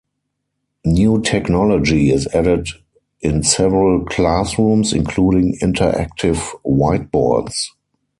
New technology is added in several classrooms, including interactive whiteboards.